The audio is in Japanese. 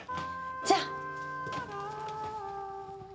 じゃあ！